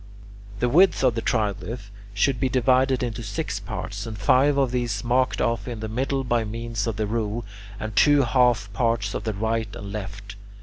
The width of the triglyph should be divided into six parts, and five of these marked off in the middle by means of the rule, and two half parts at the right and left.